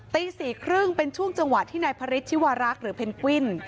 ตี๔๓๐เป็นช่วงจังหวะที่นายพระฤทธิวารักษ์หรือเพนกวิ้น